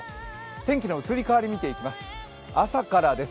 天気の移り変わり見ていきます朝からです。